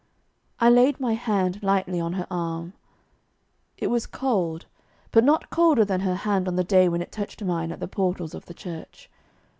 I laid my hand lightly on her arm; it was cold, but not colder than her hand on the day when it touched mine at the portals of the church.